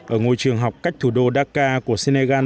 ở ngôi trường học cách thủ đô dakar của senegal bốn mươi km